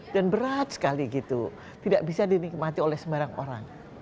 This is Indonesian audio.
dan berat sekali gitu tidak bisa dinikmati oleh sembarang orang